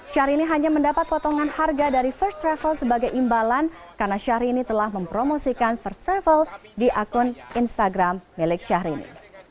syahrini hanya mendapat potongan harga dari first travel sebagai imbalan karena syahrini telah mempromosikan first travel di akun instagram milik syahrini